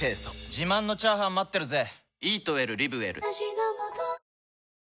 自慢のチャーハン待ってるぜ！